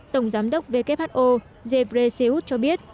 tổng giám đốc who zebre seyoud cho biết